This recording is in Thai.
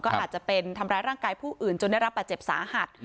ก็อาจจะเป็นทำร้ายร่างกายผู้อื่นจนได้รับบาดเจ็บสาหัส